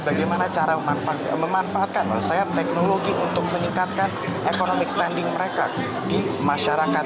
bagaimana cara memanfaatkan teknologi untuk meningkatkan economic standing mereka di masyarakat